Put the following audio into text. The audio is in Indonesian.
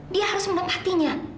dia harus menempatinya